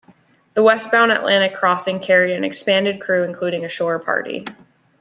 The westbound Atlantic crossing carried an expanded crew including a shore party.